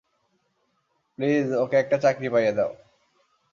Please, ওকে একটা চাকরি পাইয়ে দাও।